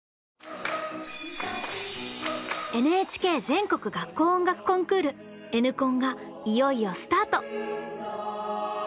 ＮＨＫ全国学校音楽コンクール「Ｎコン」がいよいよスタート！